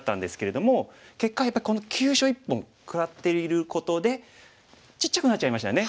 結果やっぱりこの急所１本食らっていることでちっちゃくなっちゃいましたね。